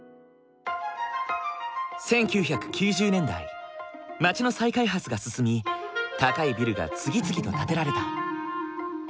１９９０年代街の再開発が進み高いビルが次々と建てられた。